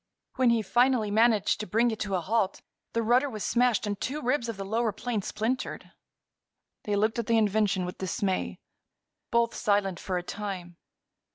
When he finally managed to bring it to a halt the rudder was smashed and two ribs of the lower plane splintered. They looked at the invention with dismay, both silent for a time.